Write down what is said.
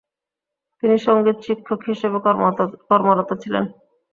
তিনি সঙ্গীত শিক্ষক হিসেবে কর্মরত ছিলেন।